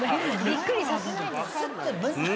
びっくりさせないでよ。